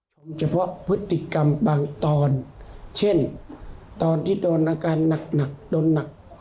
เฉพาะพฤติกรรมบางตอนเช่นตอนที่โดนอาการหนักหนักโดนหนัก